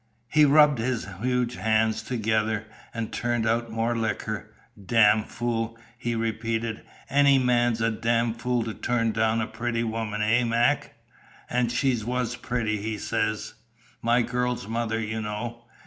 He rubbed his huge hands together and turned out more liquor. "Dam' fool!" he repeated. "Any man's a dam' fool to turn down a pretty woman, eh, Mac? An' she was pretty, he says. My girl's mother, you know.